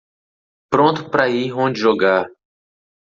Pronto para ir onde jogar